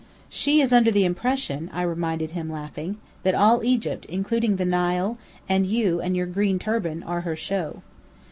"She is under the impression," I reminded him, laughing, "that all Egypt, including the Nile, and you and your green turban, are her 'show'."